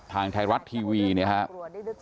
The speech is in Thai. ทางไทยรัฐทีวีนะครับ